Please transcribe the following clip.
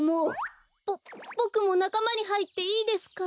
ボボクもなかまにはいっていいですか？